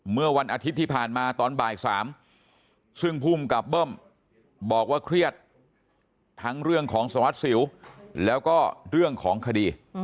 เมื่อวันอาทิตย์ที่ผ่านมาตอนบ่าย๓ซึ่งภูมิกับเบิ้มบอกว่าเครียดทั้งเรื่องของสารวัสดิสิวแล้วก็เรื่องของคดี